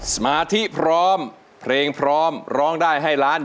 สมาธิพร้อมเพลงพร้อมร้องได้ให้ล้าน